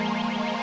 lo tenang aja